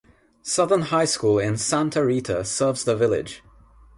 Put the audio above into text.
Southern High School in Santa Rita serves the village.